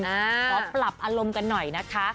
ขอปรับอารมณ์กันหน่อยนะคะ